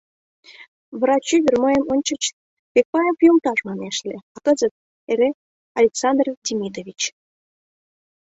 Врач ӱдыр мыйым ончыч «Пекпаев йолташ» манеш ыле, а кызыт — эре Александр Демидович.